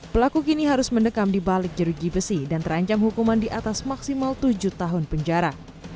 pelaku kini harus mendekam di balik jeruji besi dan terancam hukuman di atas maksimal tujuh tahun penjara